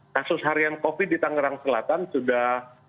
kasus harian covid di tangerang selatan sudah